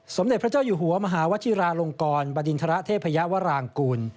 สมเด็จพระเจ้าอยู่หัวมหาวชิราลงกรบดินทรเทพยาวรางกูล